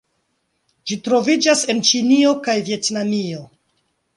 Ĝi troviĝas en Ĉinio kaj Vjetnamio.